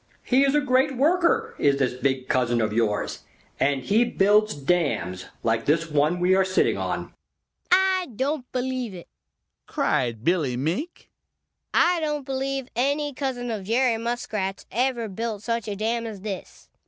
He is a great worker, is this big cousin of yours, and he builds dams like this one we are sitting on." "I don't believe it!" cried Billy Mink. "I don't believe any cousin of Jerry Muskrat's ever built such a dam as this.